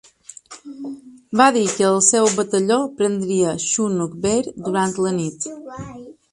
Va dir que el seu batalló prendria Chunuk Bair durant la nit.